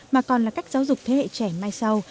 mà còn là cách giáo dục thế hệ trẻ mai sau